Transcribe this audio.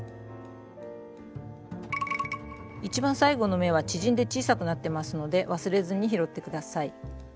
一番最後の目は縮んで小さくなってますので忘れずに拾って下さい。